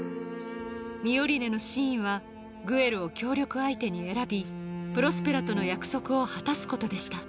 ミオリネの真意はグエルを協力相手に選びプロスぺラとの約束を果たすことでした